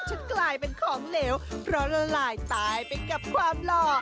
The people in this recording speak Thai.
ฉันกลายเป็นของเหลวเพราะละลายตายไปกับความหล่อ